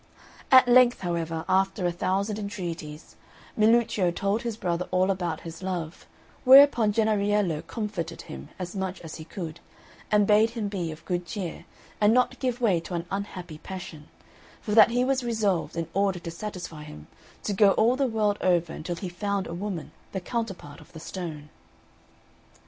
At length, however, after a thousand entreaties, Milluccio told his brother all about his love; whereupon Jennariello comforted him as much as he could, and bade him be of good cheer, and not give way to an unhappy passion; for that he was resolved, in order to satisfy him, to go all the world over until he found a woman the counterpart of the stone.